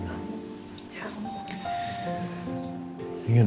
ingin membawa kamu ke rumah